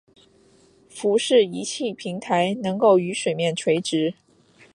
浮式仪器平台能够与水面垂直。